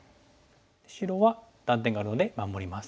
白は断点があるので守ります。